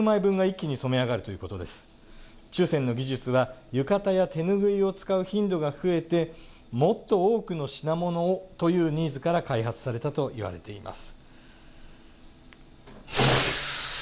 注染の技術は浴衣や手拭いを使う頻度が増えてもっと多くの品物をというニーズから開発されたといわれています。